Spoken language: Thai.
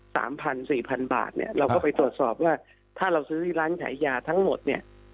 สามพันสี่พันบาทเนี่ยเราก็ไปตรวจสอบว่าถ้าเราซื้อร้านขายยาทั้งหมดเนี่ย